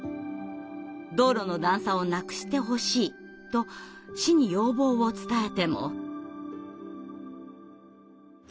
道路の段差をなくしてほしいと市に要望を伝えても。